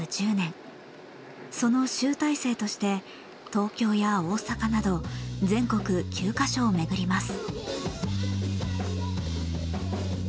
その集大成として東京や大阪など全国９か所を巡ります。